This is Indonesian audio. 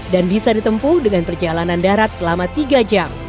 dan bisa ditempuh dengan perjalanan darat selama tiga jam